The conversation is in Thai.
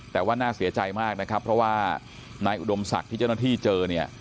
แต่ว่าน่าเสียใจมากนะครับเพราะว่านายอุดมศักดิ์ที่เจ้าหน้าที่เจอเนี่ย